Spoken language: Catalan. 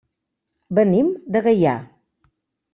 Venim de Gaià.